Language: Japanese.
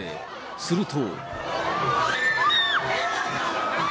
すると。